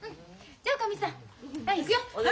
じゃおかみさん。はい行くよ！